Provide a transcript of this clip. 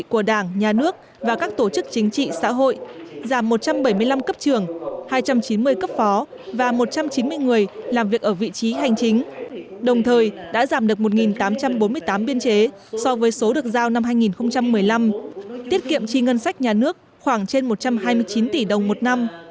của đảng nhà nước và các tổ chức chính trị xã hội giảm một trăm bảy mươi năm cấp trường hai trăm chín mươi cấp phó và một trăm chín mươi người làm việc ở vị trí hành chính đồng thời đã giảm được một tám trăm bốn mươi tám biên chế so với số được giao năm hai nghìn một mươi năm tiết kiệm chi ngân sách nhà nước khoảng trên một trăm hai mươi chín tỷ đồng một năm